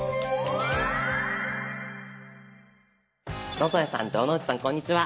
野添さん城之内さんこんにちは。